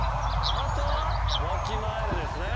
あとは「わきまえる」ですね。